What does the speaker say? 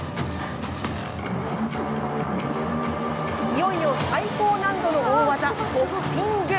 いよいよ最高難度の大技、ホッピング。